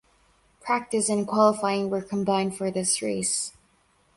Practice and Qualifying were combined for this race.